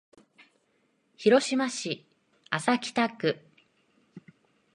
広島市安佐北区